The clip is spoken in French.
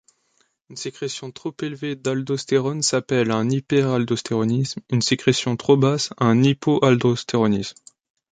Une sécrétion trop élevée d'aldostérone s'appelle un hyperaldostéronisme, une sécrétion trop basse un hypoaldostéronisme.